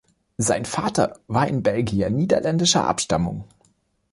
Sein Vater war ein Belgier niederländischer Abstammung.